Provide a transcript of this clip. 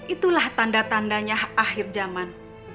itulah tanda tandanya akhir zaman